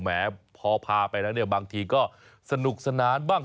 แหมพอพาไปแล้วเนี่ยบางทีก็สนุกสนานบ้าง